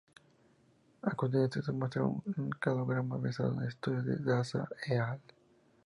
A continuación se muestra un cladograma basado en el estudio de Daza "et al.